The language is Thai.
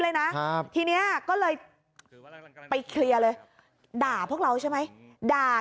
เลยนะทีนี้ก็เลยไปเคลียร์เลยด่าพวกเราใช่ไหมด่า